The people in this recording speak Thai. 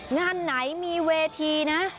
งานไหนมีเวทีนะ